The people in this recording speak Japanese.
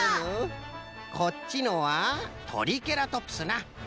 こっちのはトリケラトプスな。